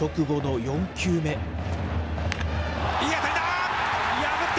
いい当たりだ。